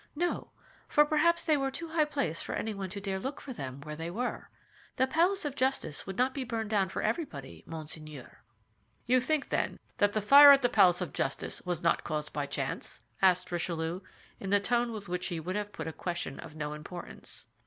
"No; for perhaps they were too high placed for anyone to dare look for them where they were. The Palace of Justice would not be burned down for everybody, monseigneur." "You think, then, that the fire at the Palace of Justice was not caused by chance?" asked Richelieu, in the tone with which he would have put a question of no importance.